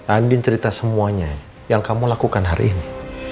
andin cerita semuanya yang kamu lakukan hari ini